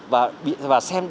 và xem đó